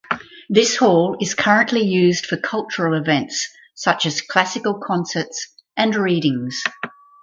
This hall is currently used for cultural events such as classical concerts and readings.